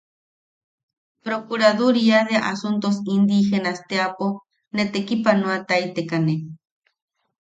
Procuraduría de asuntos indígenas teapo ne tekipanoataitekane.